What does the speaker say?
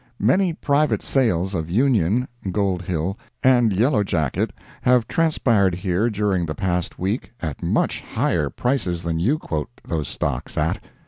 Many private sales of Union ( Gold Hill) and Yellow Jacket have transpired here during the past week at much higher prices than you quote those stocks at.